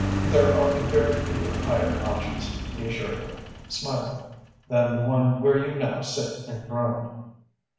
"There are a very few higher notches," he assured her, smiling, "than the one where you now sit enthroned."